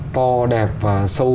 to đẹp và sâu đẹp